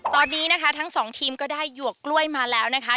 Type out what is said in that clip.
ตอนนี้นะคะทั้งสองทีมก็ได้หยวกกล้วยมาแล้วนะคะ